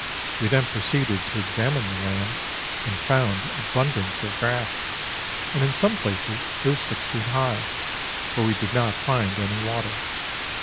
We then pro ceeded to examine the land, and found abundance of grass, and in some places it was 6 feet high ; but we did not find any water.